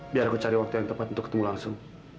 biar aku cari waktu yang tepat untuk ketemu langsung